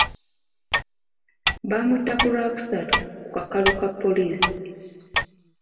Baamuta ku lwokusatu ku kakalu ka poliisi.